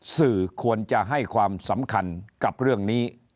สื่อควรจะให้ความสำคัญกับเรื่องนี้